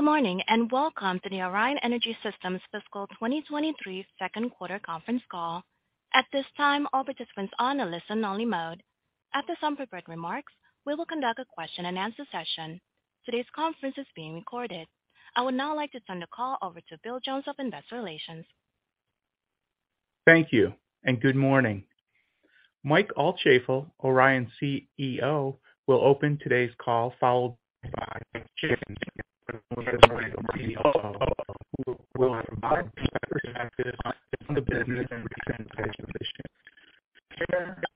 Good morning, and welcome to the Orion Energy Systems fiscal 2023 second quarter conference call. At this time, all participants are on a listen-only mode. After some prepared remarks, we will conduct a question-and-answer session. Today's conference is being recorded. I would now like to turn the call over to Bill Jones of Investor Relations. Thank you, and good morning. Mike Altschaefl, Orion's CEO, will open today's call, followed by Mike Jenkins, Orion's CFO, who will provide key perspectives on the business and financial position.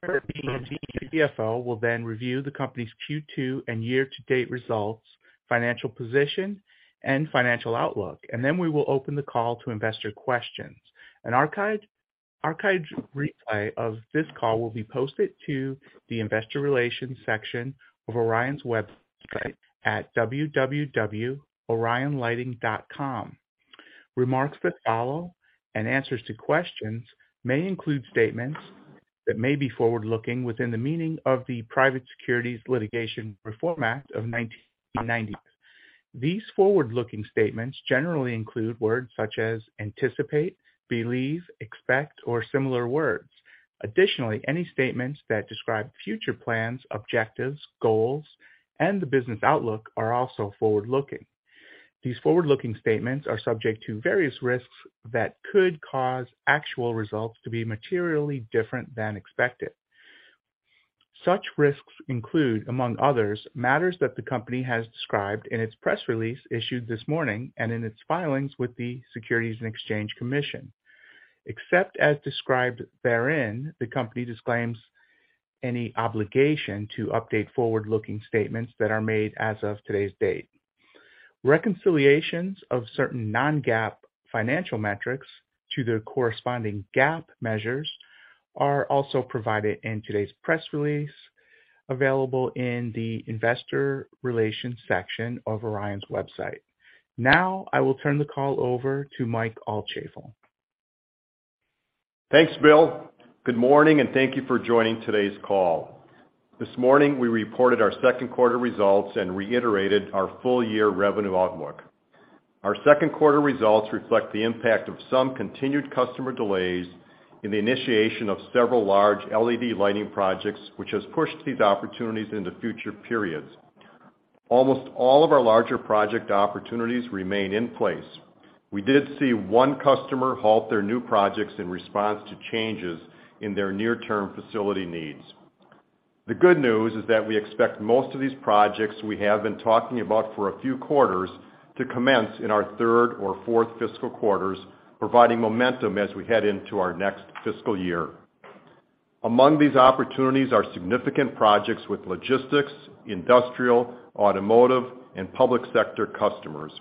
Per Brodin, CFO, will review the company's Q2 and year-to-date results, financial position, and financial outlook. We will open the call to investor questions. An archived replay of this call will be posted to the investor relations section of Orion's website at www.orionlighting.com. Remarks that follow and answers to questions may include statements that may be forward-looking within the meaning of the Private Securities Litigation Reform Act of 1995. These forward-looking statements generally include words such as "anticipate," "believe," "expect," or similar words. Additionally, any statements that describe future plans, objectives, goals, and the business outlook are also forward-looking. These forward-looking statements are subject to various risks that could cause actual results to be materially different than expected. Such risks include, among others, matters that the company has described in its press release issued this morning and in its filings with the Securities and Exchange Commission. Except as described therein, the company disclaims any obligation to update forward-looking statements that are made as of today's date. Reconciliations of certain non-GAAP financial metrics to their corresponding GAAP measures are also provided in today's press release, available in the investor relations section of Orion's website. I will turn the call over to Mike Altschaefl. Thanks, Bill. Good morning, and thank you for joining today's call. This morning, we reported our second quarter results and reiterated our full-year revenue outlook. Our second quarter results reflect the impact of some continued customer delays in the initiation of several large LED lighting projects, which has pushed these opportunities into future periods. Almost all of our larger project opportunities remain in place. We did see one customer halt their new projects in response to changes in their near-term facility needs. The good news is that we expect most of these projects we have been talking about for a few quarters to commence in our third or fourth fiscal quarters, providing momentum as we head into our next fiscal year. Among these opportunities are significant projects with logistics, industrial, automotive, and public sector customers.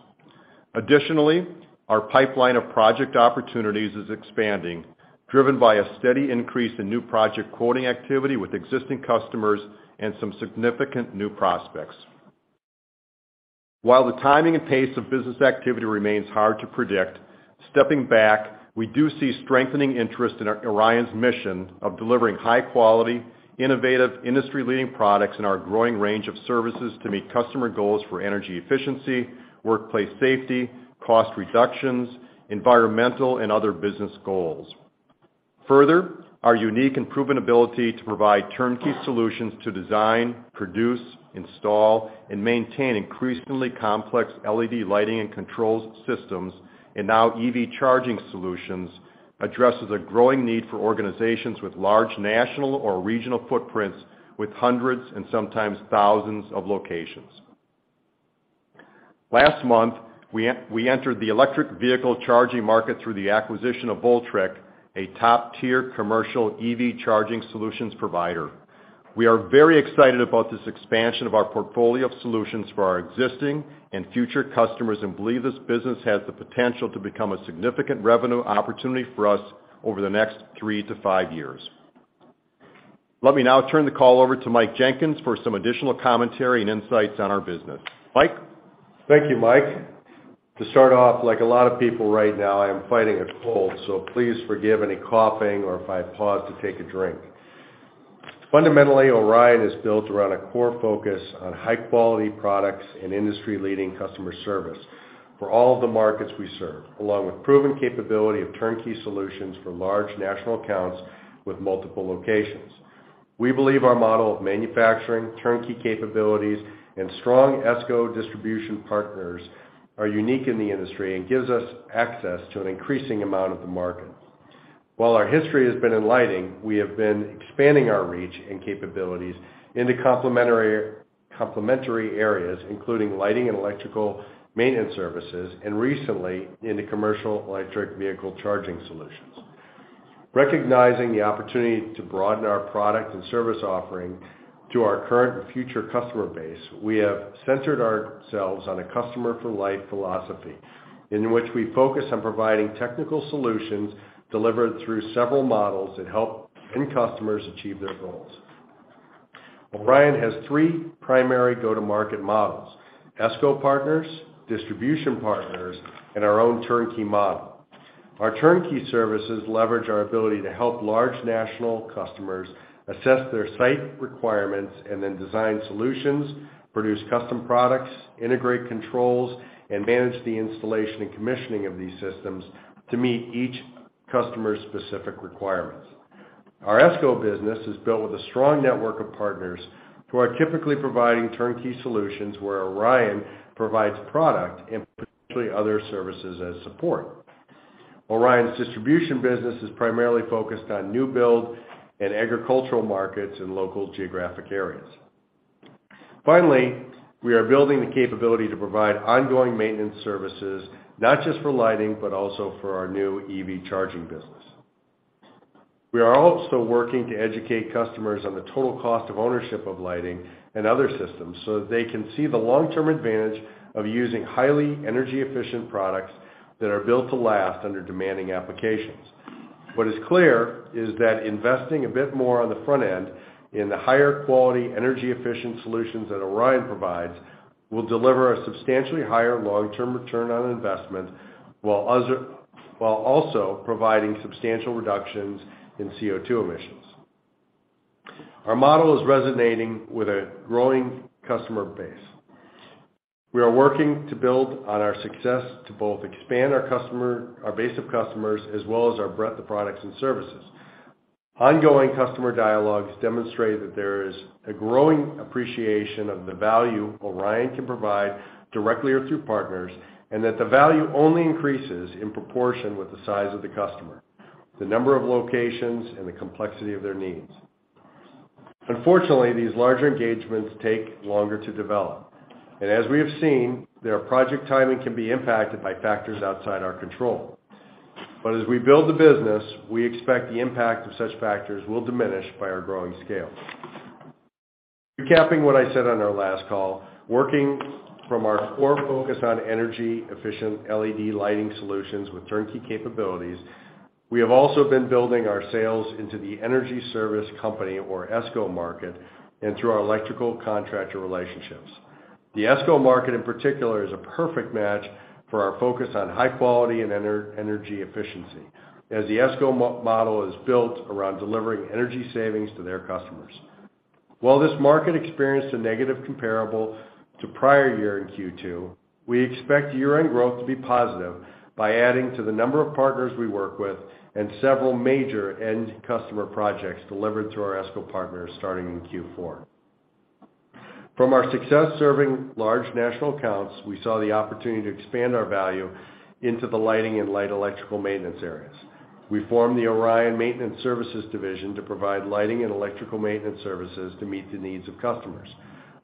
Additionally, our pipeline of project opportunities is expanding, driven by a steady increase in new project quoting activity with existing customers and some significant new prospects. While the timing and pace of business activity remains hard to predict, stepping back, we do see strengthening interest in Orion's mission of delivering high quality, innovative, industry-leading products in our growing range of services to meet customer goals for energy efficiency, workplace safety, cost reductions, environmental, and other business goals. Further, our unique and proven ability to provide turnkey solutions to design, produce, install, and maintain increasingly complex LED lighting and controls systems, and now EV charging solutions, addresses a growing need for organizations with large national or regional footprints with hundreds and sometimes thousands of locations. Last month, we entered the electric vehicle charging market through the acquisition of Voltrek, a top-tier commercial EV charging solutions provider. We are very excited about this expansion of our portfolio of solutions for our existing and future customers and believe this business has the potential to become a significant revenue opportunity for us over the next three to five years. Let me now turn the call over to Mike Jenkins for some additional commentary and insights on our business. Mike? Thank you, Mike. To start off, like a lot of people right now, I am fighting a cold, so please forgive any coughing or if I pause to take a drink. Fundamentally, Orion is built around a core focus on high-quality products and industry-leading customer service for all of the markets we serve, along with proven capability of turnkey solutions for large national accounts with multiple locations. We believe our model of manufacturing, turnkey capabilities, and strong ESCO distribution partners are unique in the industry and gives us access to an increasing amount of the market. While our history has been in lighting, we have been expanding our reach and capabilities into complementary areas, including lighting and electrical maintenance services, and recently into commercial electric vehicle charging solutions. Recognizing the opportunity to broaden our product and service offering to our current and future customer base, we have centered ourselves on a Customer For Life philosophy in which we focus on providing technical solutions delivered through several models that help end customers achieve their goals. Orion has three primary go-to-market models: ESCO partners, distribution partners, and our own turnkey model. Our turnkey services leverage our ability to help large national customers assess their site requirements and then design solutions, produce custom products, integrate controls, and manage the installation and commissioning of these systems to meet each customer's specific requirements. Our ESCO business is built with a strong network of partners who are typically providing turnkey solutions where Orion provides product and potentially other services as support. Orion's distribution business is primarily focused on new build and agricultural markets in local geographic areas. We are building the capability to provide ongoing maintenance services, not just for lighting, but also for our new EV charging business. We are also working to educate customers on the total cost of ownership of lighting and other systems so that they can see the long-term advantage of using highly energy-efficient products that are built to last under demanding applications. What is clear is that investing a bit more on the front end in the higher quality, energy-efficient solutions that Orion provides will deliver a substantially higher long-term return on investment, while also providing substantial reductions in CO2 emissions. Our model is resonating with a growing customer base. We are working to build on our success to both expand our base of customers as well as our breadth of products and services. Ongoing customer dialogues demonstrate that there is a growing appreciation of the value Orion can provide directly or through partners, and that the value only increases in proportion with the size of the customer, the number of locations, and the complexity of their needs. These larger engagements take longer to develop, and as we have seen, their project timing can be impacted by factors outside our control. As we build the business, we expect the impact of such factors will diminish by our growing scale. Recapping what I said on our last call, working from our core focus on energy-efficient LED lighting solutions with turnkey capabilities, we have also been building our sales into the energy service company or ESCO market and through our electrical contractor relationships. The ESCO market, in particular, is a perfect match for our focus on high quality and energy efficiency as the ESCO model is built around delivering energy savings to their customers. This market experienced a negative comparable to prior year in Q2, we expect year-end growth to be positive by adding to the number of partners we work with and several major end customer projects delivered through our ESCO partners starting in Q4. From our success serving large national accounts, we saw the opportunity to expand our value into the lighting and light electrical maintenance areas. We formed the Orion Maintenance Services division to provide lighting and electrical maintenance services to meet the needs of customers.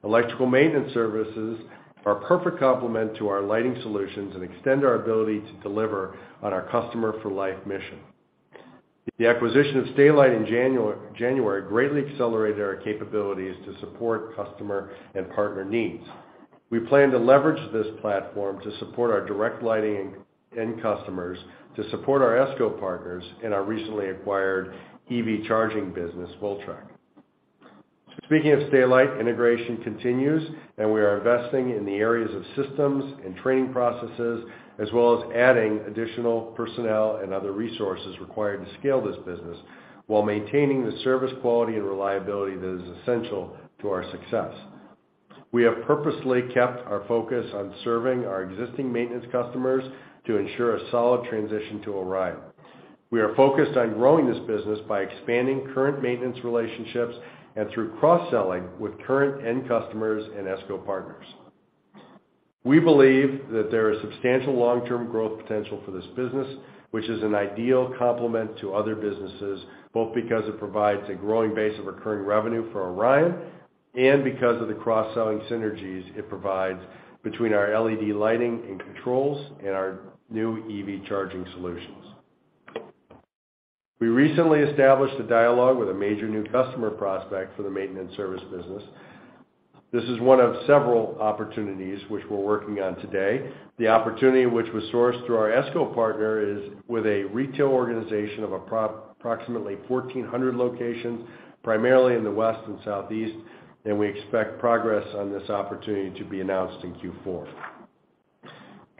Electrical maintenance services are a perfect complement to our lighting solutions and extend our ability to deliver on our Customer For Life mission. The acquisition of Stay-Lite in January greatly accelerated our capabilities to support customer and partner needs. We plan to leverage this platform to support our direct lighting end customers, to support our ESCO partners in our recently acquired EV charging business, Voltrek. Speaking of Stay-Lite, integration continues. We are investing in the areas of systems and training processes, as well as adding additional personnel and other resources required to scale this business while maintaining the service quality and reliability that is essential to our success. We have purposely kept our focus on serving our existing maintenance customers to ensure a solid transition to Orion. We are focused on growing this business by expanding current maintenance relationships and through cross-selling with current end customers and ESCO partners. We believe that there is substantial long-term growth potential for this business, which is an ideal complement to other businesses, both because it provides a growing base of recurring revenue for Orion and because of the cross-selling synergies it provides between our LED lighting and controls and our new EV charging solutions. We recently established a dialogue with a major new customer prospect for the maintenance service business. This is one of several opportunities which we're working on today. The opportunity, which was sourced through our ESCO partner, is with a retail organization of approximately 1,400 locations, primarily in the West and Southeast. We expect progress on this opportunity to be announced in Q4.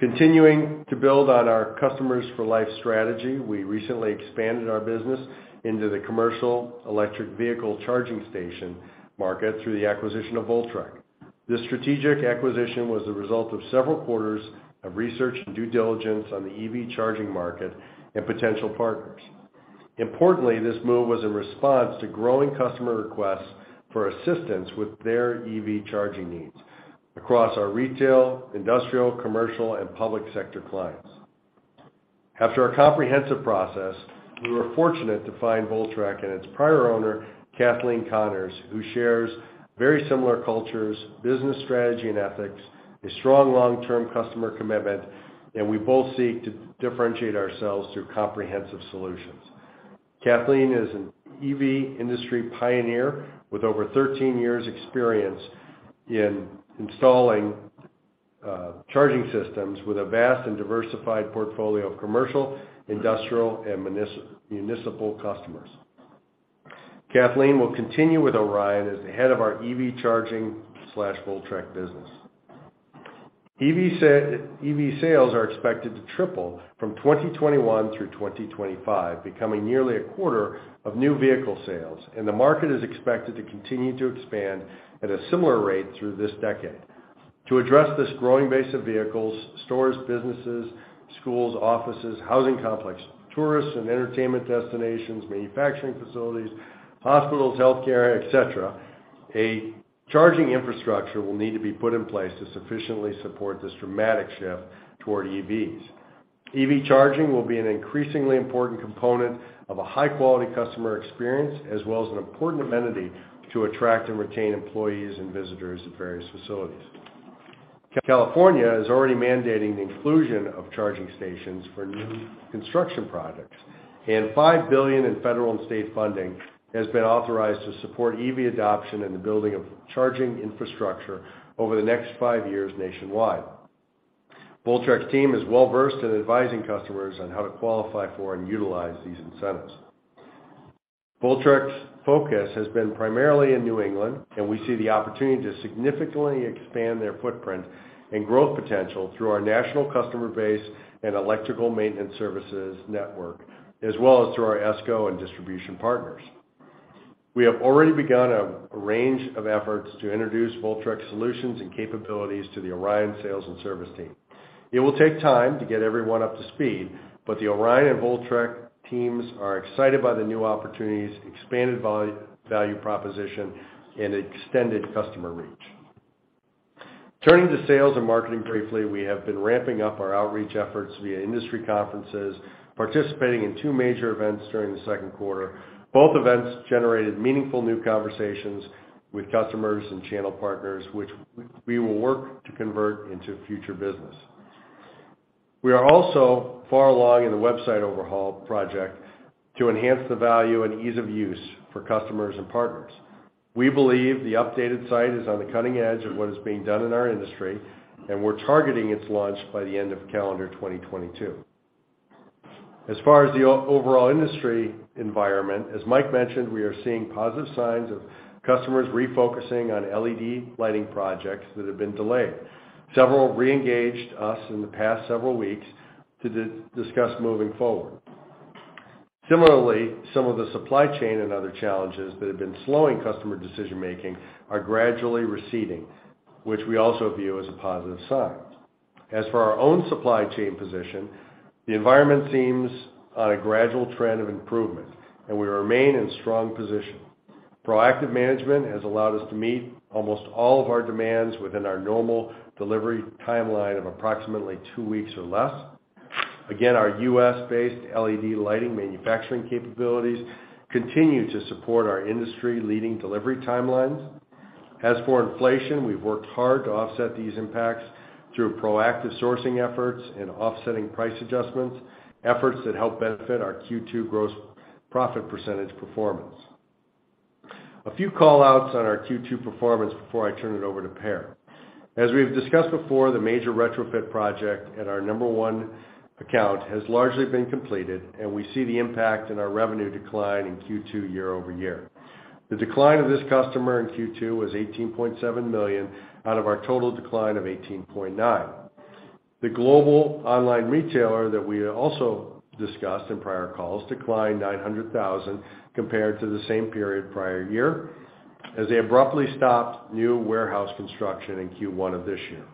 Continuing to build on our Customer For Life strategy, we recently expanded our business into the commercial electric vehicle charging station market through the acquisition of Voltrek. This strategic acquisition was the result of several quarters of research and due diligence on the EV charging market and potential partners. Importantly, this move was in response to growing customer requests for assistance with their EV charging needs across our retail, industrial, commercial, and public sector clients. After a comprehensive process, we were fortunate to find Voltrek and its prior owner, Kathleen Connors, who shares very similar cultures, business strategy and ethics, a strong long-term customer commitment. We both seek to differentiate ourselves through comprehensive solutions. Kathleen is an EV industry pioneer with over 13 years experience in installing charging systems with a vast and diversified portfolio of commercial, industrial, and municipal customers. Kathleen will continue with Orion as the head of our EV charging/Voltrek business. EV sales are expected to triple from 2021 through 2025, becoming nearly a quarter of new vehicle sales. The market is expected to continue to expand at a similar rate through this decade. To address this growing base of vehicles, stores, businesses, schools, offices, housing complexes, tourists and entertainment destinations, manufacturing facilities, hospitals, healthcare, et cetera, a charging infrastructure will need to be put in place to sufficiently support this dramatic shift toward EVs. EV charging will be an increasingly important component of a high-quality customer experience, as well as an important amenity to attract and retain employees and visitors at various facilities. California is already mandating the inclusion of charging stations for new construction projects. $5 billion in federal and state funding has been authorized to support EV adoption and the building of charging infrastructure over the next five years nationwide. Voltrek's team is well-versed in advising customers on how to qualify for and utilize these incentives. Voltrek's focus has been primarily in New England, we see the opportunity to significantly expand their footprint and growth potential through our national customer base and electrical maintenance services network, as well as through our ESCO and distribution partners. We have already begun a range of efforts to introduce Voltrek solutions and capabilities to the Orion sales and service team. It will take time to get everyone up to speed, the Orion and Voltrek teams are excited by the new opportunities, expanded value proposition, and extended customer reach. Turning to sales and marketing briefly, we have been ramping up our outreach efforts via industry conferences, participating in two major events during the second quarter. Both events generated meaningful new conversations with customers and channel partners, which we will work to convert into future business. We are also far along in the website overhaul project to enhance the value and ease of use for customers and partners. We believe the updated site is on the cutting edge of what is being done in our industry, we're targeting its launch by the end of calendar 2022. As far as the overall industry environment, as Mike mentioned, we are seeing positive signs of customers refocusing on LED lighting projects that have been delayed. Several re-engaged us in the past several weeks to discuss moving forward. Similarly, some of the supply chain and other challenges that have been slowing customer decision-making are gradually receding, which we also view as a positive sign. As for our own supply chain position, the environment seems on a gradual trend of improvement, we remain in strong position. Proactive management has allowed us to meet almost all of our demands within our normal delivery timeline of approximately two weeks or less. Again, our U.S.-based LED lighting manufacturing capabilities continue to support our industry-leading delivery timelines. As for inflation, we've worked hard to offset these impacts through proactive sourcing efforts and offsetting price adjustments, efforts that help benefit our Q2 gross profit percentage performance. A few call-outs on our Q2 performance before I turn it over to Per. As we have discussed before, the major retrofit project at our number one account has largely been completed, we see the impact in our revenue decline in Q2 year-over-year. The decline of this customer in Q2 was $18.7 million out of our total decline of $18.9 million. The global online retailer that we also discussed in prior calls declined $900,000 compared to the same period prior year, as they abruptly stopped new warehouse construction in Q1 of this year.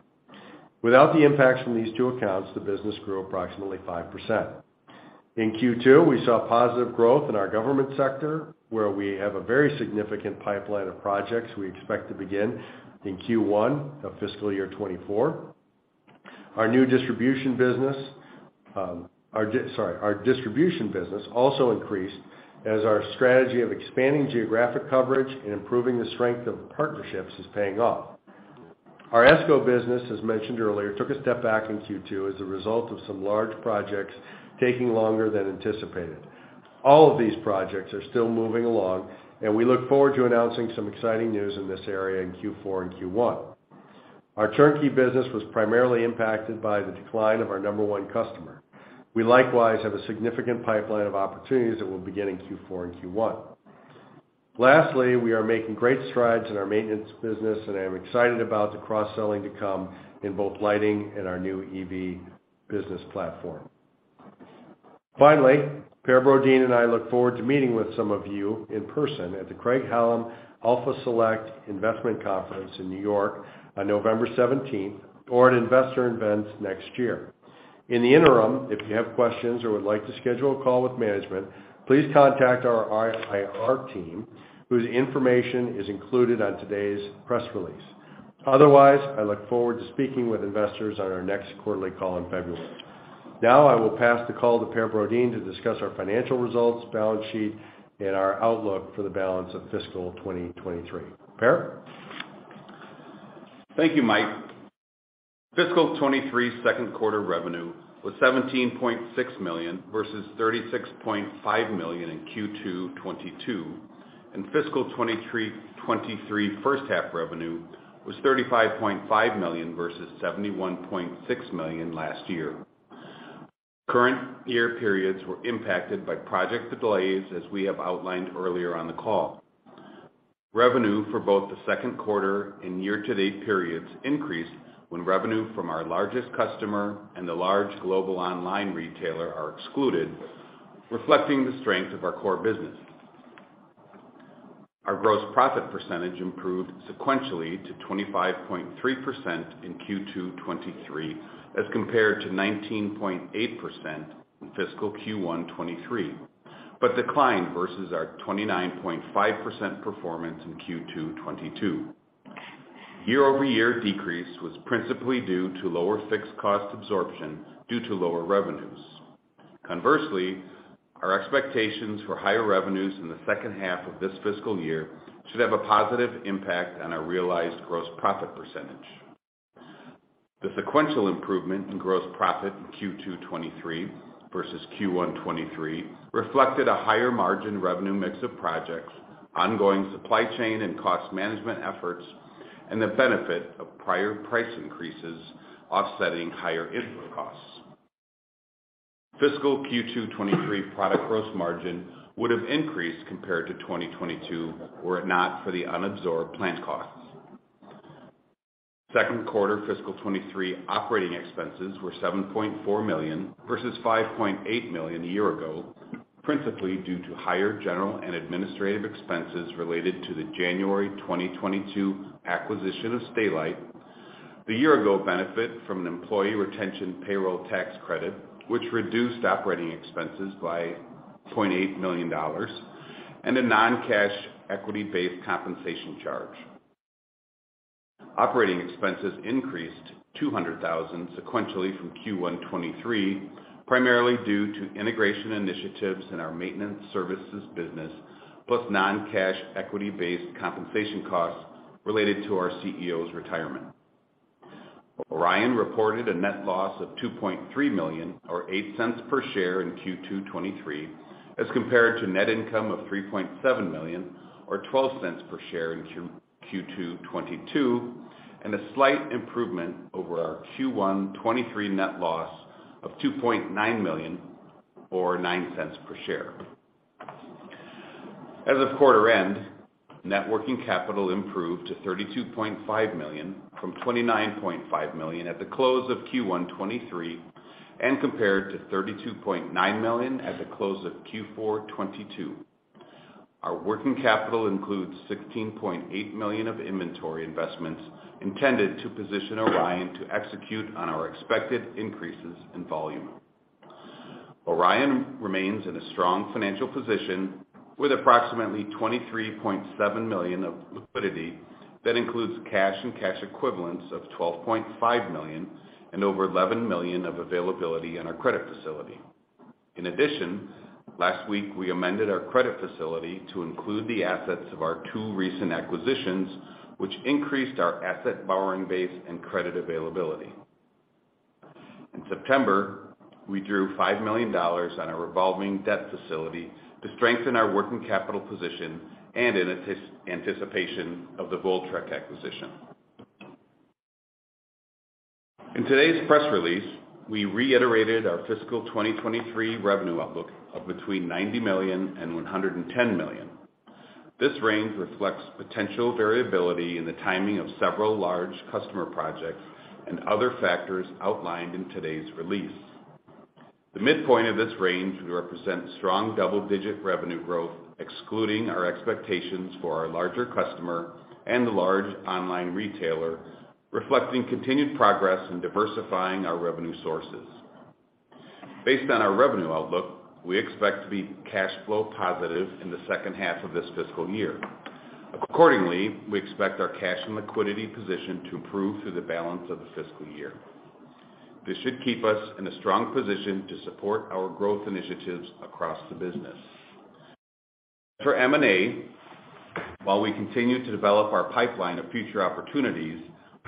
Without the impacts from these two accounts, the business grew approximately 5%. In Q2, we saw positive growth in our government sector, where we have a very significant pipeline of projects we expect to begin in Q1 of fiscal year 2024. Our distribution business also increased as our strategy of expanding geographic coverage and improving the strength of partnerships is paying off. Our ESCO business, as mentioned earlier, took a step back in Q2 as a result of some large projects taking longer than anticipated. All of these projects are still moving along, we look forward to announcing some exciting news in this area in Q4 and Q1. Our turnkey business was primarily impacted by the decline of our number one customer. We likewise have a significant pipeline of opportunities that will begin in Q4 and Q1. Lastly, we are making great strides in our maintenance business, and I am excited about the cross-selling to come in both lighting and our new EV business platform. Finally, Per Brodin and I look forward to meeting with some of you in person at the Craig-Hallum Alpha Select Conference in New York on November 17th or at investor event next year. In the interim, if you have questions or would like to schedule a call with management, please contact our IR team, whose information is included on today's press release. Otherwise, I look forward to speaking with investors on our next quarterly call in February. Thank you, Mike. Now I will pass the call to Per Brodin to discuss our financial results, balance sheet, and our outlook for the balance of fiscal 2023. Per? Thank you, Mike. Fiscal 2023 second quarter revenue was $17.6 million, versus $36.5 million in Q2 2022, and fiscal 2023 first half revenue was $35.5 million, versus $71.6 million last year. Current year periods were impacted by project delays as we have outlined earlier on the call. Revenue for both the second quarter and year-to-date periods increased when revenue from our largest customer and the large global online retailer are excluded, reflecting the strength of our core business. Our gross profit percentage improved sequentially to 25.3% in Q2 '23 as compared to 19.8% in fiscal Q1 '23, but declined versus our 29.5% performance in Q2 '22. year-over-year decrease was principally due to lower fixed cost absorption due to lower revenues. Conversely, our expectations for higher revenues in the second half of this fiscal year should have a positive impact on our realized gross profit percentage. The sequential improvement in gross profit in Q2 '23 versus Q1 '23 reflected a higher margin revenue mix of projects, ongoing supply chain and cost management efforts, and the benefit of prior price increases offsetting higher input costs. Fiscal Q2 '23 product gross margin would have increased compared to 2022 were it not for the unabsorbed plant costs. Second quarter fiscal '23 operating expenses were $7.4 million, versus $5.8 million a year ago, principally due to higher general and administrative expenses related to the January 2022 acquisition of Stay-Lite, the year-ago benefit from an employee retention payroll tax credit, which reduced operating expenses by $2.8 million, and a non-cash equity-based compensation charge. Operating expenses increased $200,000 sequentially from Q1 '23, primarily due to integration initiatives in our maintenance services business, plus non-cash equity-based compensation costs related to our CEO's retirement. Orion reported a net loss of $2.3 million or $0.08 per share in Q2 '23 as compared to net income of $3.7 million or $0.12 per share in Q2 '22, and a slight improvement over our Q1 '23 net loss of $2.9 million or $0.09 per share. As of quarter end, net working capital improved to $32.5 million from $29.5 million at the close of Q1 '23 and compared to $32.9 million at the close of Q4 '22. Our working capital includes $16.8 million of inventory investments intended to position Orion to execute on our expected increases in volume. Orion remains in a strong financial position with approximately $23.7 million of liquidity. That includes cash and cash equivalents of $12.5 million and over $11 million of availability in our credit facility. In addition, last week we amended our credit facility to include the assets of our two recent acquisitions, which increased our asset borrowing base and credit availability. In September, we drew $5 million on our revolving debt facility to strengthen our working capital position and in anticipation of the Voltrek acquisition. In today's press release, we reiterated our fiscal 2023 revenue outlook of between $90 million and $110 million. This range reflects potential variability in the timing of several large customer projects and other factors outlined in today's release. The midpoint of this range would represent strong double-digit revenue growth, excluding our expectations for our larger customer and the large online retailer, reflecting continued progress in diversifying our revenue sources. Based on our revenue outlook, we expect to be cash flow positive in the second half of this fiscal year. Accordingly, we expect our cash and liquidity position to improve through the balance of the fiscal year. This should keep us in a strong position to support our growth initiatives across the business. For M&A, while we continue to develop our pipeline of future opportunities,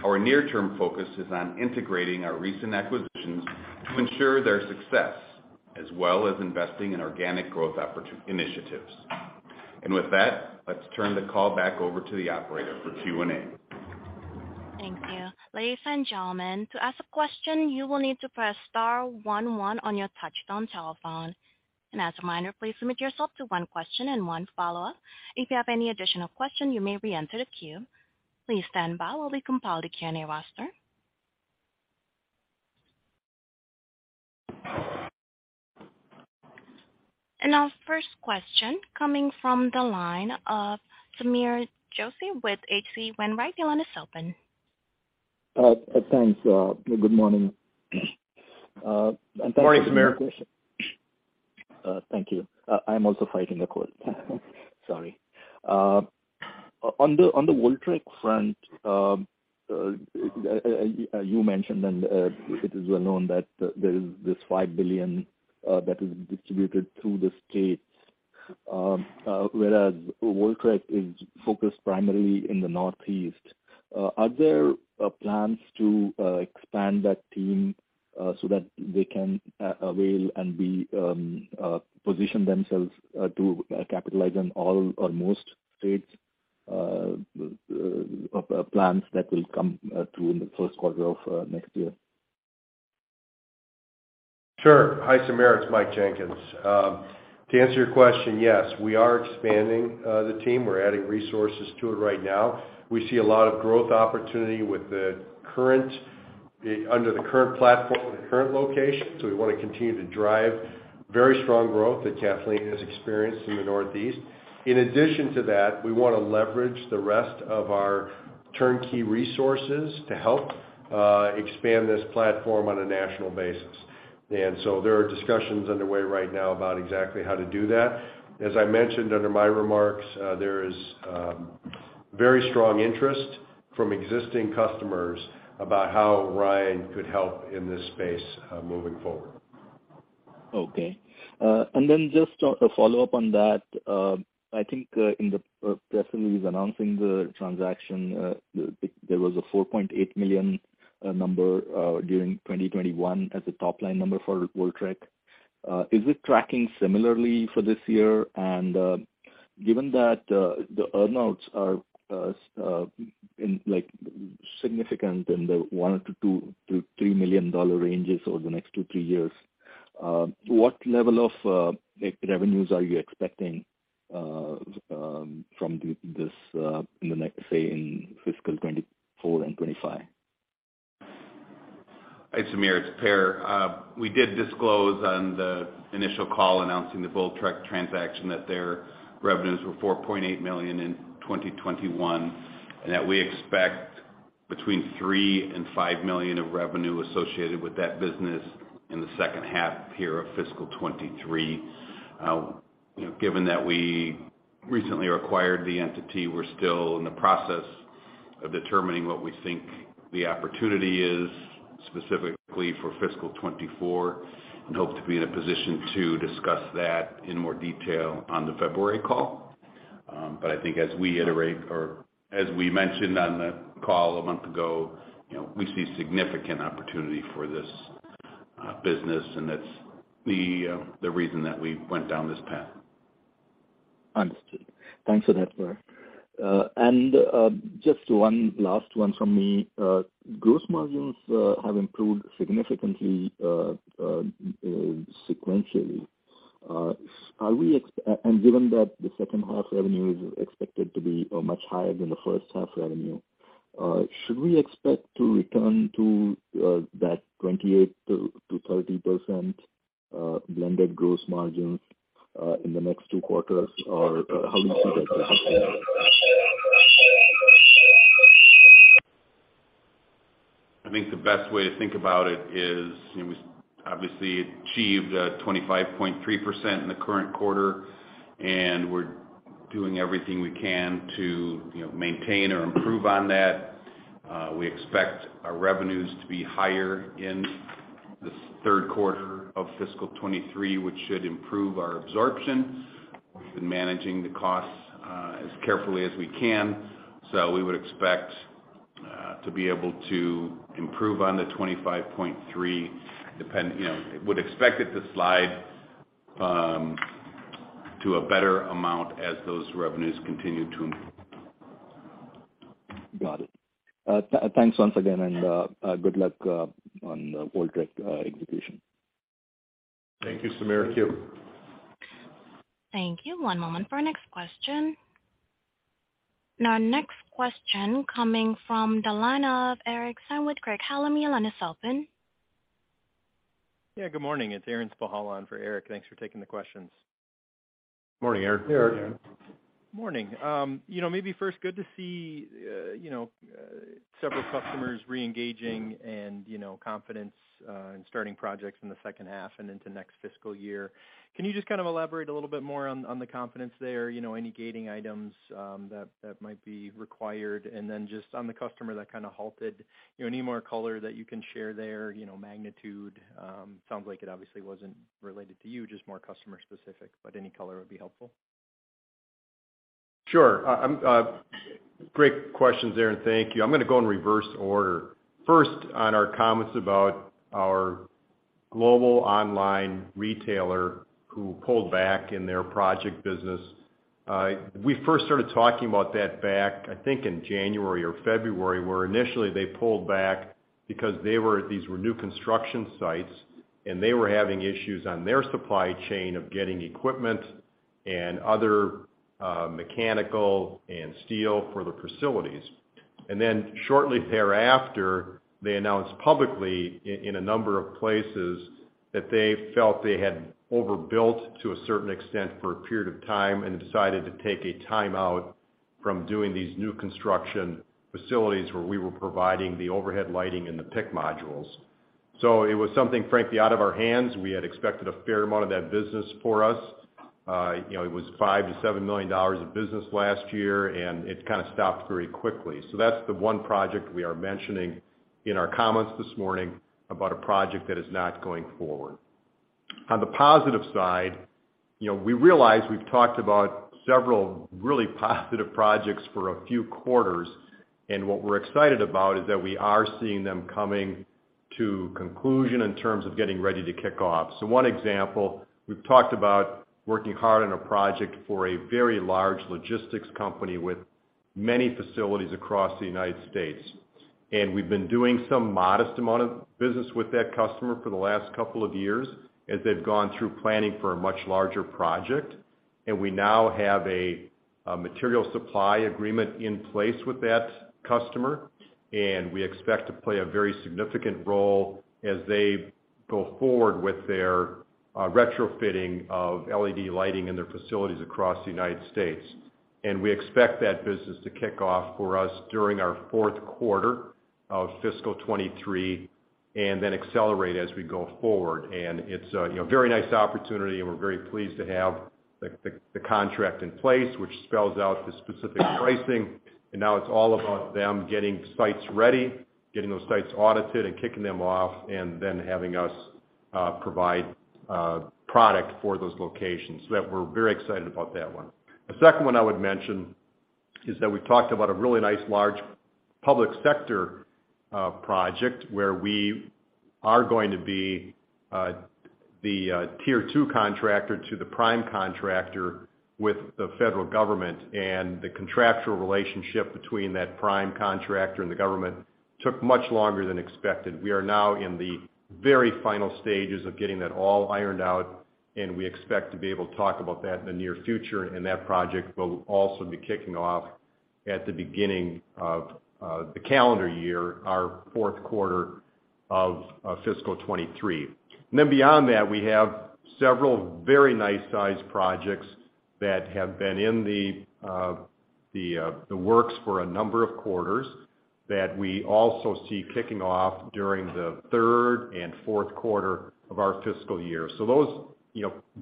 our near-term focus is on integrating our recent acquisitions to ensure their success, as well as investing in organic growth initiatives. With that, let's turn the call back over to the operator for Q&A. Thank you. Ladies and gentlemen, to ask a question, you will need to press *11 on your touchtone telephone. As a reminder, please limit yourself to one question and one follow-up. If you have any additional question, you may reenter the queue. Please stand by while we compile the Q&A roster. Our first question coming from the line of Sameer Joshi with H.C. Wainwright. Your line is open. Thanks. Good morning. Morning, Sameer. Thank you. I'm also fighting a cold. Sorry. On the Voltrek front, you mentioned and it is well known that there is this $5 billion that is distributed through the states, whereas Voltrek is focused primarily in the Northeast. Are there plans to expand that team so that they can avail and position themselves to capitalize on all or most states? Of plans that will come through in the first quarter of next year. Sure. Hi, Sameer. It's Mike Jenkins. To answer your question, yes, we are expanding the team. We're adding resources to it right now. We see a lot of growth opportunity under the current platform and the current location, so we want to continue to drive very strong growth that Kathleen has experienced in the Northeast. In addition to that, we want to leverage the rest of our turnkey resources to help expand this platform on a national basis. There are discussions underway right now about exactly how to do that. As I mentioned under my remarks, there is very strong interest from existing customers about how Orion could help in this space moving forward. Just a follow-up on that. I think in the press release announcing the transaction, there was a $4.8 million number during 2021 as a top-line number for Voltrek. Is it tracking similarly for this year? Given that the earn-outs are significant in the $1 million-$3 million ranges over the next two, three years, what level of net revenues are you expecting from this, say, in FY 2024 and FY 2025? Hi, Sameer. It's Per. We did disclose on the initial call announcing the Voltrek transaction that their revenues were $4.8 million in 2021, and that we expect between $3 million and $5 million of revenue associated with that business in the second half year of FY 2023. Given that we recently acquired the entity, we're still in the process of determining what we think the opportunity is specifically for FY 2024, and hope to be in a position to discuss that in more detail on the February call. I think as we iterate or as we mentioned on the call a month ago, we see significant opportunity for this business, and that's the reason that we went down this path. Understood. Thanks for that, Per. Just one last one from me. Gross margins have improved significantly sequentially. Given that the second half revenue is expected to be much higher than the first half revenue, should we expect to return to that 28%-30% blended gross margins in the next two quarters? How do you see that playing out? I think the best way to think about it is, we obviously achieved a 25.3% in the current quarter, and we're doing everything we can to maintain or improve on that. We expect our revenues to be higher in the third quarter of FY 2023, which should improve our absorption. We've been managing the costs as carefully as we can. We would expect to be able to improve on the 25.3. Would expect it to slide to a better amount as those revenues continue to improve. Got it. Thanks once again, and good luck on the Voltrek execution. Thank you, Sameer. Q? Thank you. One moment for our next question. Our next question coming from the line of Eric Stine with Craig-Hallum. Your line is open. Yeah, good morning. It's Aaron Spychalla in for Eric. Thanks for taking the questions. Morning, Aaron. Aaron. Morning. Maybe first, good to see several customers re-engaging and confidence in starting projects in the second half and into next fiscal year. Can you just elaborate a little bit more on the confidence there? Any gating items that might be required? Just on the customer that kind of halted, any more color that you can share there, magnitude? Sounds like it obviously wasn't related to you, just more customer specific, but any color would be helpful. Sure. Great questions, Aaron. Thank you. I'm going to go in reverse order. First, on our comments about our global online retailer who pulled back in their project business. We first started talking about that back, I think in January or February, where initially they pulled back because these were new construction sites, and they were having issues on their supply chain of getting equipment and other mechanical and steel for the facilities. Shortly thereafter, they announced publicly in a number of places that they felt they had overbuilt to a certain extent for a period of time and decided to take a timeout from doing these new construction facilities where we were providing the overhead lighting and the pick modules. It was something, frankly, out of our hands. We had expected a fair amount of that business for us. It was $5 million-$7 million of business last year, and it kind of stopped very quickly. That's the one project we are mentioning in our comments this morning about a project that is not going forward. On the positive side, we realize we've talked about several really positive projects for a few quarters, and what we're excited about is that we are seeing them coming To conclusion in terms of getting ready to kick off. One example, we've talked about working hard on a project for a very large logistics company with many facilities across the U.S. We've been doing some modest amount of business with that customer for the last couple of years as they've gone through planning for a much larger project. We now have a material supply agreement in place with that customer, and we expect to play a very significant role as they go forward with their retrofitting of LED lighting in their facilities across the U.S. We expect that business to kick off for us during our fourth quarter of fiscal 2023, and then accelerate as we go forward. It's a very nice opportunity, and we're very pleased to have the contract in place, which spells out the specific pricing. Now it's all about them getting sites ready, getting those sites audited, and kicking them off, and then having us provide product for those locations. That we're very excited about that one. The second one I would mention is that we've talked about a really nice large public sector project where we are going to be the tier 2 contractor to the prime contractor with the federal government, the contractual relationship between that prime contractor and the government took much longer than expected. We are now in the very final stages of getting that all ironed out, and we expect to be able to talk about that in the near future. That project will also be kicking off at the beginning of the calendar year, our fourth quarter of fiscal 2023. Beyond that, we have several very nice-sized projects that have been in the works for a number of quarters that we also see kicking off during the third and fourth quarter of our fiscal year. Those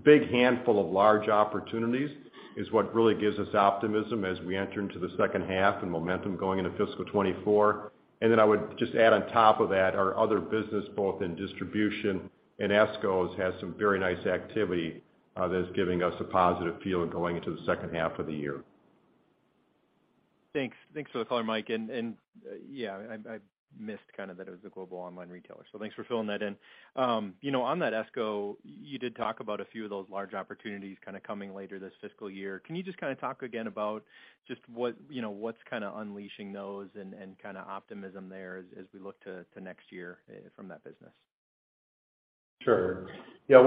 big handful of large opportunities is what really gives us optimism as we enter into the second half and momentum going into fiscal 2024. I would just add on top of that, our other business, both in distribution and ESCO, has had some very nice activity, that is giving us a positive feel going into the second half of the year. Thanks for the color, Mike. Yeah, I missed kind of that it was a global online retailer, so thanks for filling that in. On that ESCO, you did talk about a few of those large opportunities kind of coming later this fiscal year. Can you just kind of talk again about just what's kind of unleashing those and kind of optimism there as we look to next year from that business? Sure. Yeah, as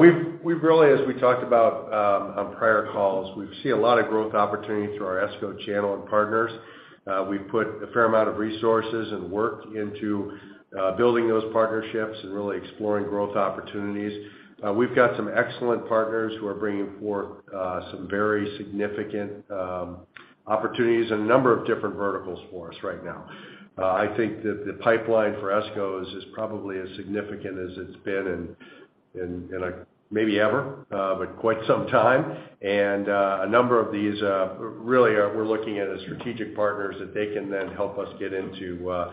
we talked about on prior calls, we see a lot of growth opportunity through our ESCO channel and partners. We've put a fair amount of resources and work into building those partnerships and really exploring growth opportunities. We've got some excellent partners who are bringing forth some very significant opportunities in a number of different verticals for us right now. I think that the pipeline for ESCO is probably as significant as it's been in maybe ever, but quite some time. A number of these really we're looking at as strategic partners that they can then help us get into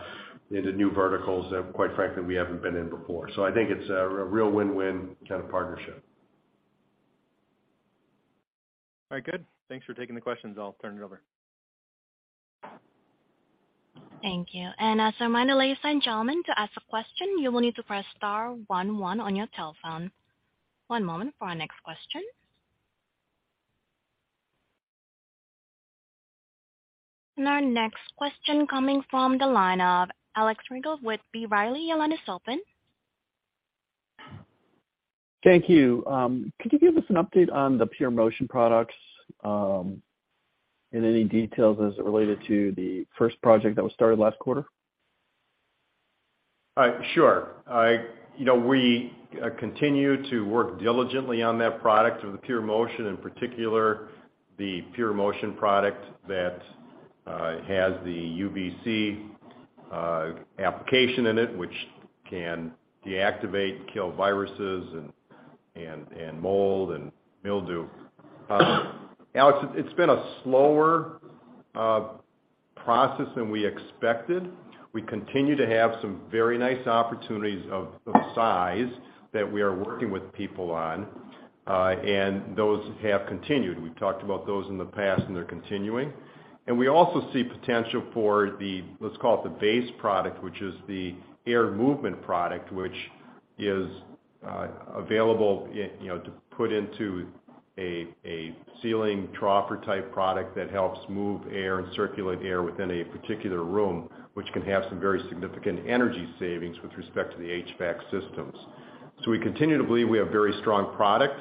new verticals that quite frankly, we haven't been in before. I think it's a real win-win kind of partnership. All right, good. Thanks for taking the questions. I'll turn it over. Thank you. As a reminder, ladies and gentlemen, to ask a question, you will need to press *11 on your telephone. One moment for our next question. Our next question coming from the line of Alex Rygiel with B. Riley, Your line is open. Thank you. Could you give us an update on the PureMotion products, and any details as it related to the first project that was started last quarter? Sure. We continue to work diligently on that product with the PureMotion, in particular, the PureMotion product that has the UVC application in it, which can deactivate and kill viruses and mold and mildew. Alex, it has been a slower process than we expected. We continue to have some very nice opportunities of size that we are working with people on, and those have continued. We have talked about those in the past and they are continuing. We also see potential for the, let's call it the base product, which is the air movement product, which is available to put into a ceiling troffer-type product that helps move air and circulate air within a particular room, which can have some very significant energy savings with respect to the HVAC systems. We continue to believe we have very strong product.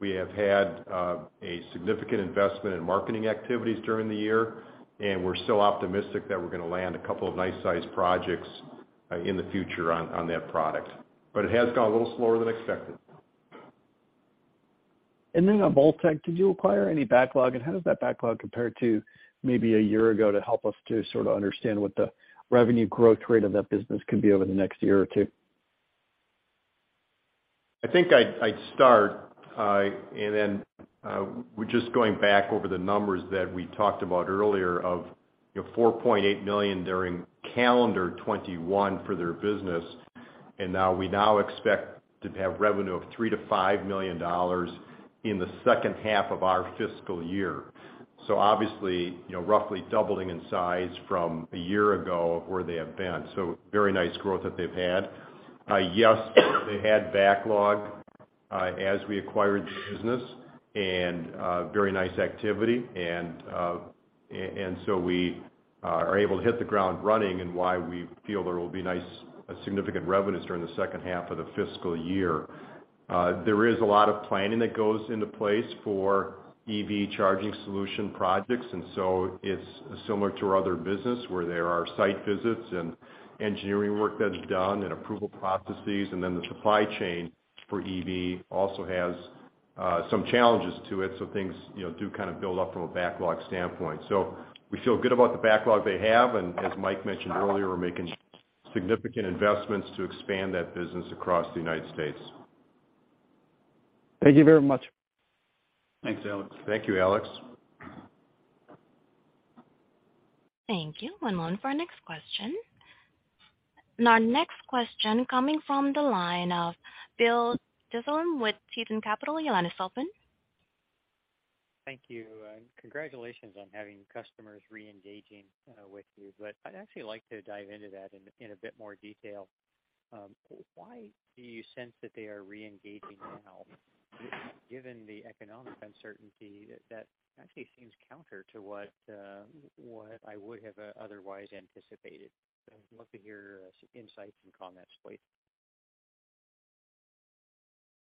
We have had a significant investment in marketing activities during the year, and we are still optimistic that we are going to land a couple of nice-sized projects in the future on that product. It has gone a little slower than expected. Then on Voltrek, did you acquire any backlog? How does that backlog compare to maybe a year ago to help us to sort of understand what the revenue growth rate of that business could be over the next year or two? I think I would start, then just going back over the numbers that we talked about earlier of $4.8 million during calendar 2021 for their business, now we now expect to have revenue of $3 million to $5 million in the second half of our fiscal year. Obviously, roughly doubling in size from a year ago where they have been. Very nice growth that they have had. Yes, they had backlog as we acquired the business, and very nice activity. So we are able to hit the ground running and why we feel there will be nice significant revenues during the second half of the fiscal year. There is a lot of planning that goes into place for EV charging solution projects. It's similar to our other business, where there are site visits and engineering work that is done and approval processes, and then the supply chain for EV also has some challenges to it. Things do kind of build up from a backlog standpoint. We feel good about the backlog they have, and as Mike mentioned earlier, we're making significant investments to expand that business across the United States. Thank you very much. Thanks, Alex. Thank you, Alex. Thank you. One moment for our next question. Our next question coming from the line of Bill Dezellem with Tieton Capital Management. Your line is open. Thank you, and congratulations on having customers re-engaging with you. I'd actually like to dive into that in a bit more detail. Why do you sense that they are re-engaging now, given the economic uncertainty that actually seems counter to what I would have otherwise anticipated? I'd love to hear insights and comments, please.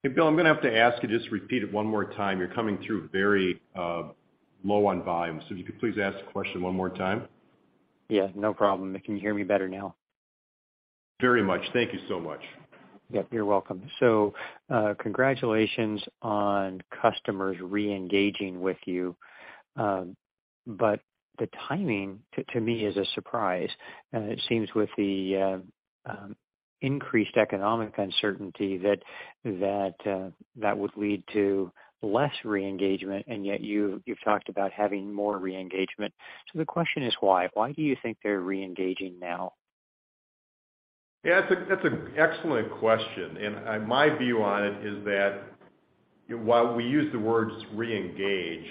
Hey, Bill, I'm going to have to ask you just to repeat it one more time. You're coming through very low on volume. If you could please ask the question one more time. Yeah, no problem. Can you hear me better now? Very much. Thank you so much. Yep, you're welcome. Congratulations on customers re-engaging with you. The timing, to me, is a surprise. It seems with the increased economic uncertainty that that would lead to less re-engagement, yet you've talked about having more re-engagement. The question is, why? Why do you think they're re-engaging now? Yeah, that's an excellent question. My view on it is that while we use the word re-engage,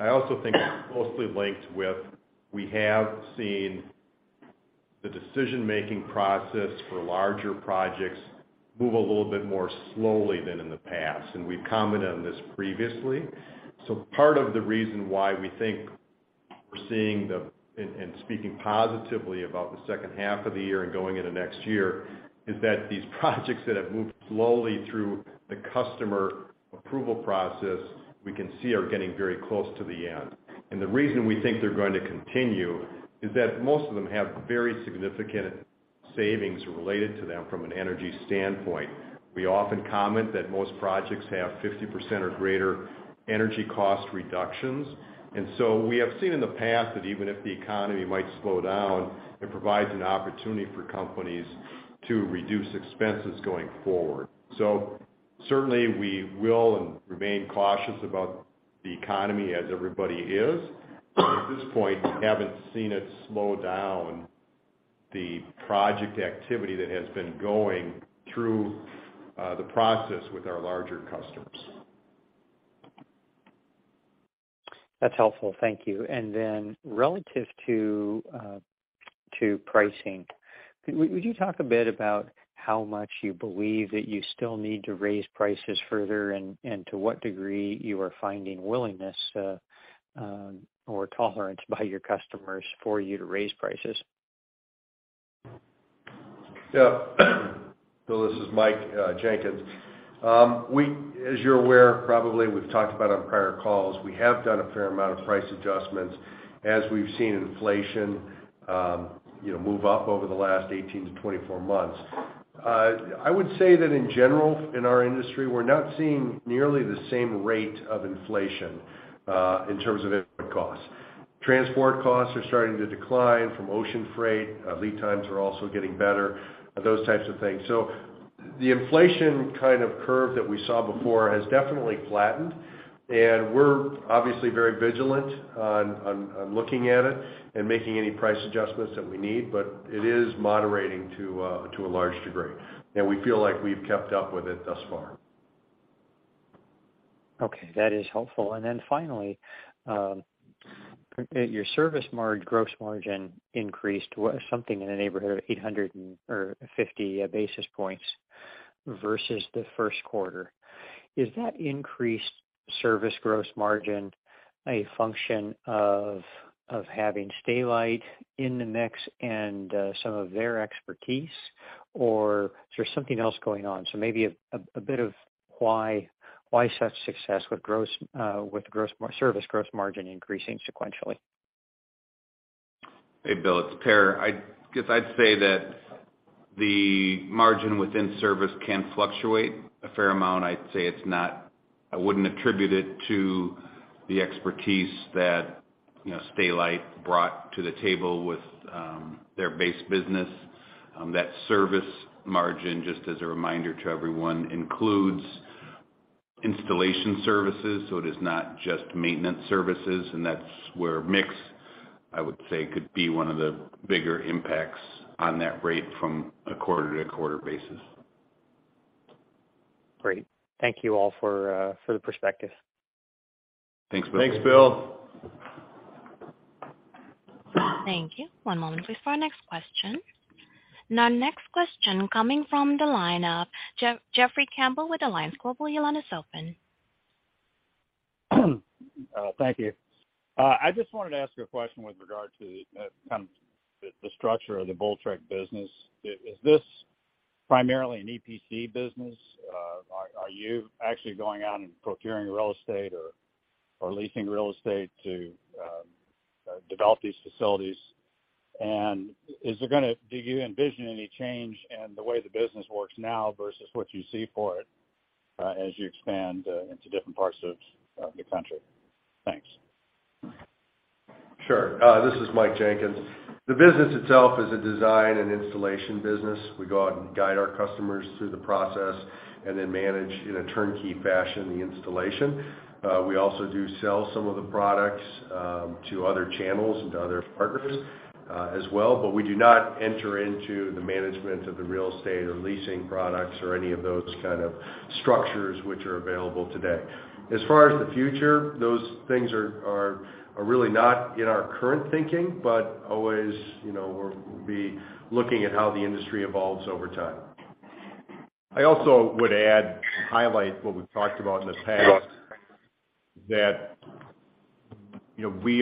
I also think it's closely linked with we have seen the decision-making process for larger projects move a little bit more slowly than in the past, and we've commented on this previously. Part of the reason why we think we're seeing and speaking positively about the second half of the year and going into next year is that these projects that have moved slowly through the customer approval process, we can see are getting very close to the end. The reason we think they're going to continue is that most of them have very significant savings related to them from an energy standpoint. We often comment that most projects have 50% or greater energy cost reductions. We have seen in the past that even if the economy might slow down, it provides an opportunity for companies to reduce expenses going forward. Certainly, we will and remain cautious about the economy as everybody is. At this point, we haven't seen it slow down the project activity that has been going through the process with our larger customers. That's helpful. Thank you. Relative to pricing, would you talk a bit about how much you believe that you still need to raise prices further and to what degree you are finding willingness or tolerance by your customers for you to raise prices? Yeah. Bill, this is Mike Jenkins. As you're aware, probably we've talked about on prior calls, we have done a fair amount of price adjustments as we've seen inflation move up over the last 18-24 months. I would say that in general, in our industry, we're not seeing nearly the same rate of inflation in terms of input costs. Transport costs are starting to decline from ocean freight. Lead times are also getting better, those types of things. The inflation kind of curve that we saw before has definitely flattened, and we're obviously very vigilant on looking at it and making any price adjustments that we need, but it is moderating to a large degree. We feel like we've kept up with it thus far. Okay, that is helpful. Finally, your service gross margin increased something in the neighborhood of 850 basis points versus the first quarter. Is that increased service gross margin a function of having Stay-Lite in the mix and some of their expertise, or is there something else going on? Maybe a bit of why such success with service gross margin increasing sequentially. Hey, Bill, it's Per. I guess I'd say that the margin within service can fluctuate a fair amount. I'd say I wouldn't attribute it to the expertise that Stay-Lite brought to the table with their base business. That service margin, just as a reminder to everyone, includes installation services, so it is not just maintenance services, and that's where mix, I would say, could be one of the bigger impacts on that rate from a quarter-to-quarter basis. Great. Thank you all for the perspective. Thanks, Bill. Thanks, Bill. Thank you. One moment please for our next question. Our next question coming from the line of Jeffrey Campbell with Alliance Global. Your line is open. Thank you. I just wanted to ask you a question with regard to the structure of the Voltrek business. Is this primarily an EPC business? Are you actually going out and procuring real estate or leasing real estate to develop these facilities? Do you envision any change in the way the business works now versus what you see for it, as you expand into different parts of the country? Thanks. Sure. This is Mike Jenkins. The business itself is a design and installation business. We go out and guide our customers through the process and then manage, in a turnkey fashion, the installation. We also do sell some of the products to other channels and to other partners as well. We do not enter into the management of the real estate or leasing products or any of those kind of structures which are available today. As far as the future, those things are really not in our current thinking, but always, we'll be looking at how the industry evolves over time. I also would add and highlight what we've talked about in the past, that we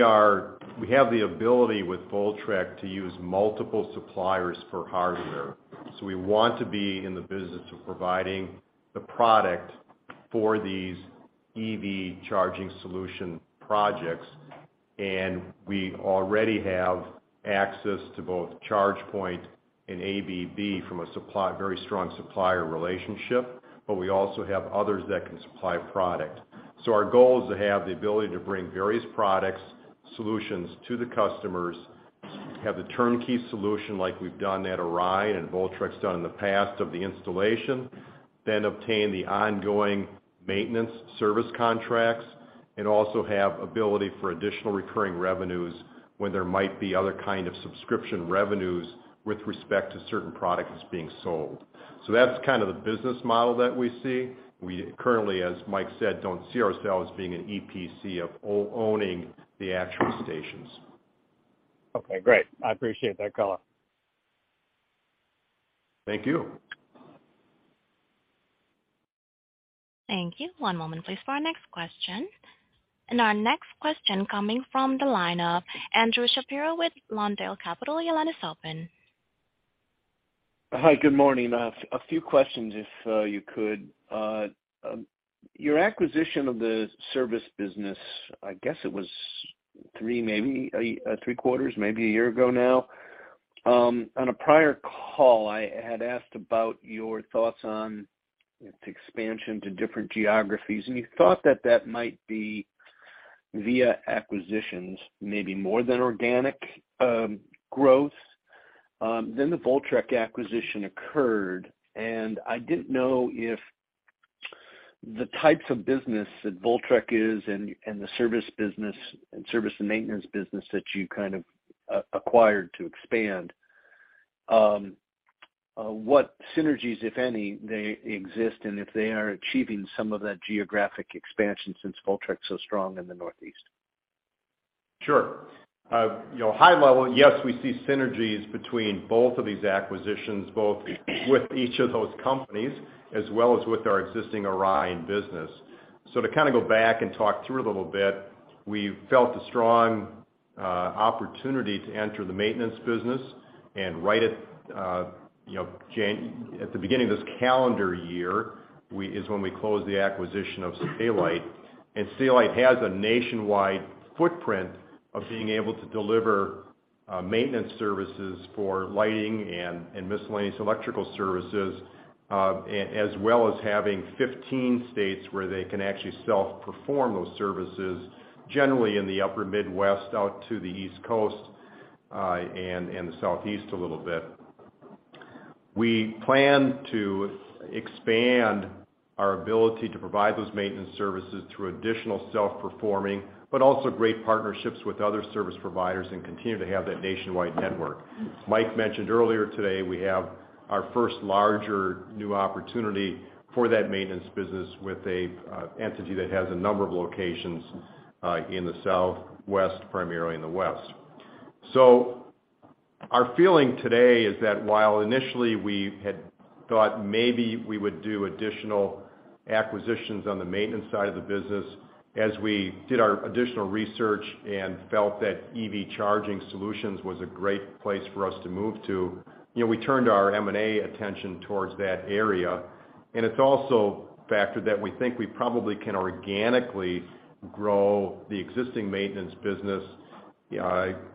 have the ability with Voltrek to use multiple suppliers for hardware. We want to be in the business of providing the product for these EV charging solution projects, and we already have access to both ChargePoint and ABB from a very strong supplier relationship, but we also have others that can supply product. Our goal is to have the ability to bring various products, solutions to the customers, have the turnkey solution like we've done at Orion and Voltrek's done in the past of the installation, then obtain the ongoing maintenance service contracts, and also have ability for additional recurring revenues when there might be other kind of subscription revenues with respect to certain products that's being sold. That's kind of the business model that we see. We currently, as Mike said, don't see ourselves being an EPC of owning the actual stations. Okay, great. I appreciate that color. Thank you. Thank you. One moment please for our next question. Our next question coming from the line of Andrew Shapiro with Lawndale Capital. Your line is open. Hi, good morning. A few questions, if you could. Your acquisition of the service business, I guess it was three quarters, maybe a year ago now. On a prior call, I had asked about your thoughts on its expansion to different geographies, and you thought that that might be via acquisitions, maybe more than organic growth. Then the Voltrek acquisition occurred, and I didn't know if the types of business that Voltrek is and the service and maintenance business that you kind of acquired to expand, what synergies if any, exist, and if they are achieving some of that geographic expansion since Voltrek's so strong in the Northeast. Sure. High level, yes, we see synergies between both of these acquisitions, both with each of those companies as well as with our existing Orion business. To kind of go back and talk through it a little bit, we felt a strong opportunity to enter the maintenance business and right at the beginning of this calendar year is when we closed the acquisition of Stay-Lite. Stay-Lite has a nationwide footprint of being able to deliver maintenance services for lighting and miscellaneous electrical services, as well as having 15 states where they can actually self-perform those services, generally in the upper Midwest out to the East Coast, and the Southeast a little bit. We plan to expand our ability to provide those maintenance services through additional self-performing, but also great partnerships with other service providers and continue to have that nationwide network. Mike mentioned earlier today, we have our first larger new opportunity for that maintenance business with an entity that has a number of locations in the Southwest, primarily in the West. Our feeling today is that while initially we had thought maybe we would do additional acquisitions on the maintenance side of the business, as we did our additional research and felt that EV charging solutions was a great place for us to move to, we turned our M&A attention towards that area. It's also factored that we think we probably can organically grow the existing maintenance business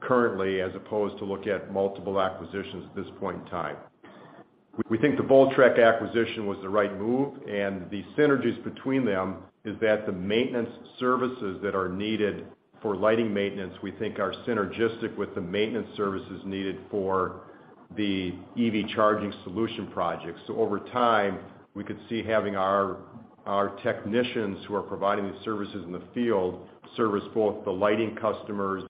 currently, as opposed to look at multiple acquisitions at this point in time. We think the Voltrek acquisition was the right move, the synergies between them is that the maintenance services that are needed for lighting maintenance, we think are synergistic with the maintenance services needed for the EV charging solution projects. Over time, we could see having our technicians who are providing these services in the field, service both the lighting customers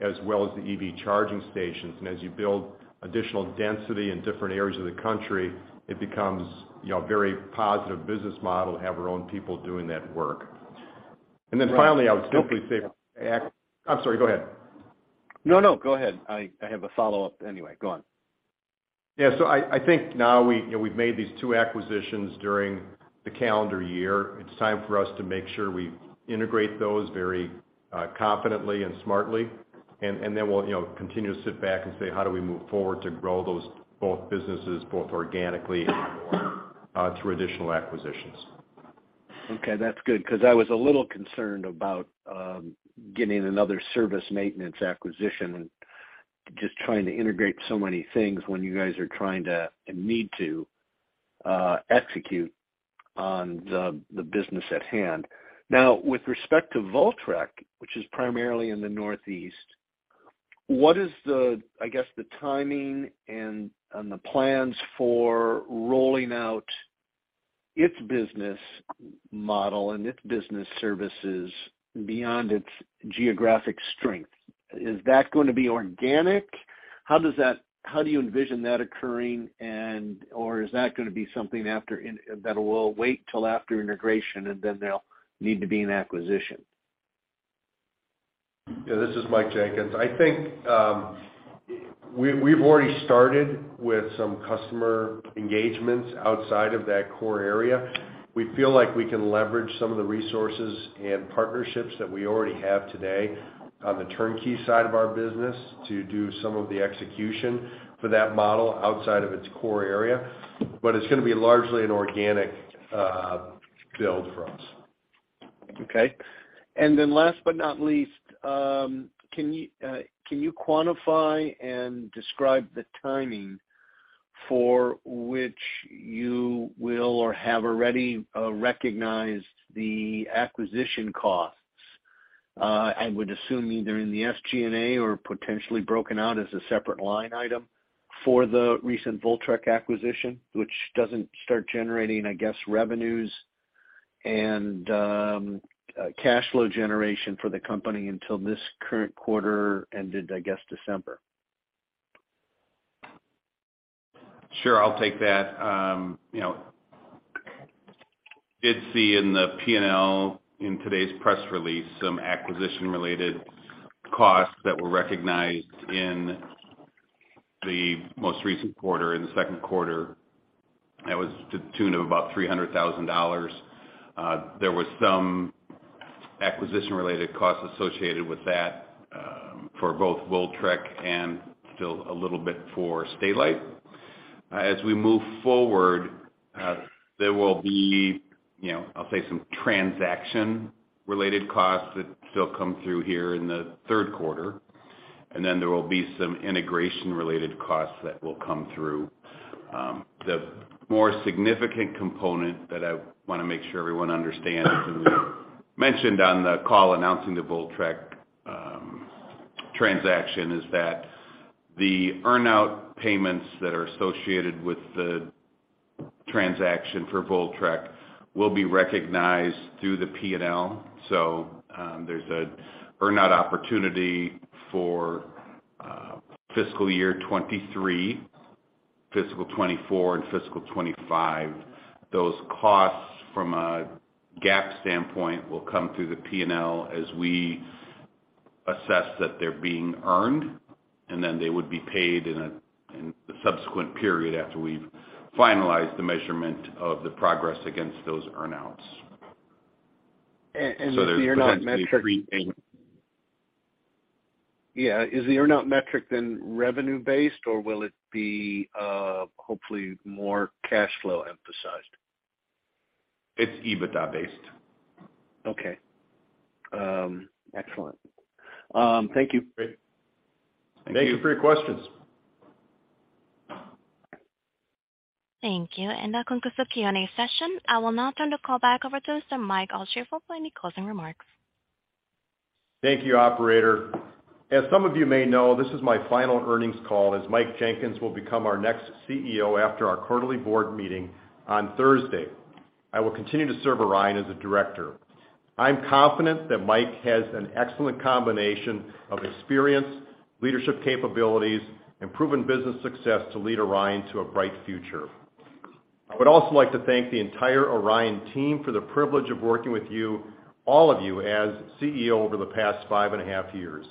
as well as the EV charging stations. As you build additional density in different areas of the country, it becomes a very positive business model to have our own people doing that work. Finally, I would simply say. I'm sorry, go ahead. No, go ahead. I have a follow-up anyway. Go on. Yeah. I think now we've made these two acquisitions during the calendar year. It's time for us to make sure we integrate those very confidently and smartly, and then we'll continue to sit back and say, "How do we move forward to grow those both businesses, both organically and/or through additional acquisitions? Okay, that's good, because I was a little concerned about getting another service maintenance acquisition and just trying to integrate so many things when you guys are trying to, and need to, execute on the business at hand. Now, with respect to Voltrek, which is primarily in the Northeast, what is the timing and the plans for rolling out its business model and its business services beyond its geographic strength? Is that going to be organic? How do you envision that occurring? Or is that going to be something that will wait till after integration, and then there'll need to be an acquisition? Yeah, this is Mike Jenkins. I think we've already started with some customer engagements outside of that core area. We feel like we can leverage some of the resources and partnerships that we already have today on the turnkey side of our business to do some of the execution for that model outside of its core area. It's going to be largely an organic build for us. Okay. Then last but not least, can you quantify and describe the timing for which you will or have already recognized the acquisition costs? I would assume either in the SG&A or potentially broken out as a separate line item for the recent Voltrek acquisition, which doesn't start generating, I guess, revenues and cash flow generation for the company until this current quarter ended, I guess, December. Sure. I'll take that. You did see in the P&L in today's press release some acquisition-related costs that were recognized in the most recent quarter, in the second quarter. That was to the tune of about $300,000. There was some acquisition-related costs associated with that for both Voltrek and still a little bit for Stay-Lite. As we move forward, there will be, I'll say, some transaction-related costs that still come through here in the third quarter, and then there will be some integration-related costs that will come through. The more significant component that I want to make sure everyone understands, as we mentioned on the call announcing the Voltrek transaction, is that the earn-out payments that are associated with the transaction for Voltrek will be recognized through the P&L. There's an earn-out opportunity for fiscal year 2023, fiscal 2024, and fiscal 2025. Those costs from a GAAP standpoint will come through the P&L as we assess that they're being earned, and then they would be paid in the subsequent period after we've finalized the measurement of the progress against those earn-outs. Is the earn-out metric- There's potentially three things. Yeah. Is the earn-out metric then revenue-based, or will it be hopefully more cash flow emphasized? It's EBITDA-based. Okay. Excellent. Thank you. Great. Thank you for your questions. Thank you. That concludes the Q&A session. I will now turn the call back over to Mr. Mike Altschaefl for any closing remarks. Thank you, operator. As some of you may know, this is my final earnings call, as Mike Jenkins will become our next CEO after our quarterly board meeting on Thursday. I will continue to serve Orion as a director. I'm confident that Mike has an excellent combination of experience, leadership capabilities, and proven business success to lead Orion to a bright future. I would also like to thank the entire Orion team for the privilege of working with you, all of you, as CEO over the past five and a half years.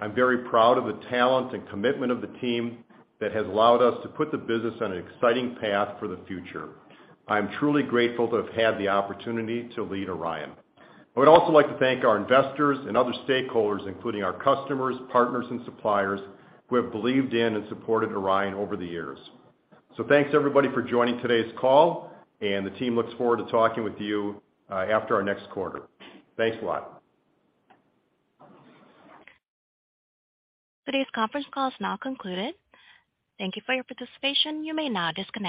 I'm very proud of the talent and commitment of the team that has allowed us to put the business on an exciting path for the future. I'm truly grateful to have had the opportunity to lead Orion. I would also like to thank our investors and other stakeholders, including our customers, partners, and suppliers, who have believed in and supported Orion over the years. Thanks, everybody, for joining today's call, the team looks forward to talking with you after our next quarter. Thanks a lot. Today's conference call is now concluded. Thank you for your participation. You may now disconnect.